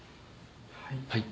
はい。